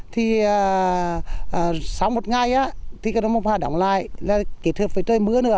thì sau một ngày thì cà rông mộc hà đóng lại là kết hợp với trời mưa nữa